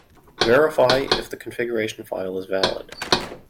Verify if the configuration file is valid.